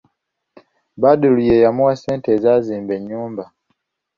Badru ye yamuwa ssente ezazimba ennyumba.